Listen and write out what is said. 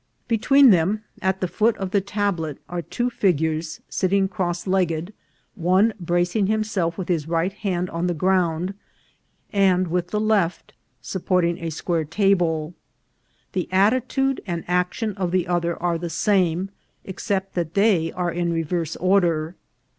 Between them, at the foot of the tablet, are two figures, sitting cross legged, one bra cing himself with his right hand on the ground, and with the left supporting a square table ; the attitude and ac tion of the other are the same, except that they are in reverse order.